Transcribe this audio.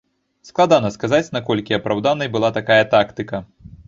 Складана сказаць, наколькі апраўданай была такая тактыка.